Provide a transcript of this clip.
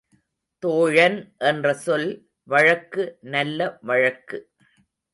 தோழன் என்ற சொல் வழக்கு நல்ல வழக்கு.